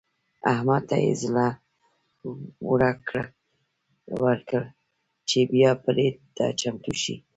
احمد ته يې زړه ورکړ چې بيا برید ته چمتو شي.